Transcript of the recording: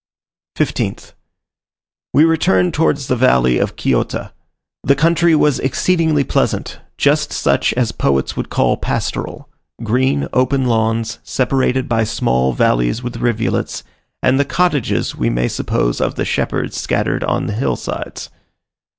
15th. We returned towards the valley of Quillota. The country was exceedingly pleasant; just such as poets would call pastoral: green open lawns, separated by small valleys with rivulets, and the cottages, we may suppose of the shepherds scattered on the hill sides.